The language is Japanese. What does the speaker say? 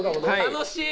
楽しい！